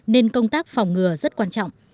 nên công tác phòng ngừa rất quan trọng